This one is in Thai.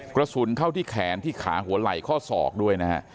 กระสุนเข้าที่แขนที่ขาหัวไหล่ข้อศอกด้วยนะฮะ